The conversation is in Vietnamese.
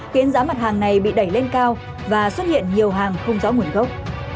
khiến giá mặt hàng này bị đẩy lên cao và xuất hiện nhiều hàng không rõ nguồn gốc